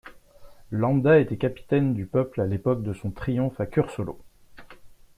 Lamba était capitaine du peuple à l'époque de son triomphe à Cursolo.